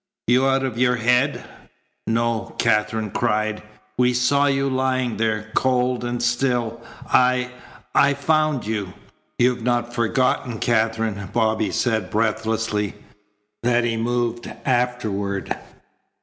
"You out of your head?" "No," Katherine cried. "We saw you lying there, cold and still. I I found you." "You've not forgotten, Katherine," Bobby said breathlessly, "that he moved afterward."